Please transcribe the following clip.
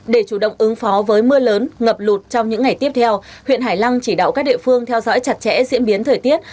để chủ động ứng phó với mưa lớn ngập lụt trong những ngày tiếp theo huyện hải lăng chỉ đạo các địa phương theo dõi chặt chẽ diễn biến thời tiết